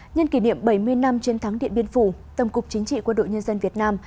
nhân kỷ niệm bảy mươi năm chiến thắng điện biên phủ tổng cục chính trị quân đội nhân dân việt nam